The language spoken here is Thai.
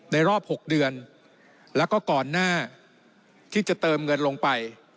รอบ๖เดือนแล้วก็ก่อนหน้าที่จะเติมเงินลงไป